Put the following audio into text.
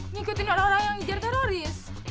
nyikutin orang orang yang ijar teroris